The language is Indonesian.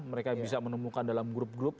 mereka bisa menemukan dalam grup grup